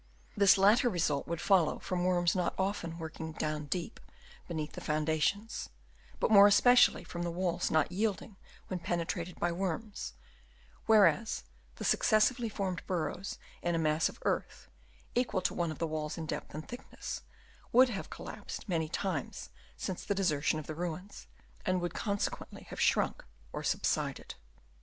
This latter result would follow from worms not often working deep down beneath the founda tions ; but more especially from the walls not yielding when penetrated by worms, whereas the successively formed burrows in a mass of earth, equal to one of the walls in depth and thickness, would have collapsed many times since the desertion of the ruins, and would consequently have shrunk or subsided.